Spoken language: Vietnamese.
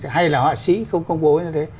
hay là họa sĩ không công bố như thế